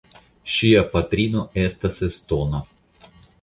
Ŝia patrino estas estona.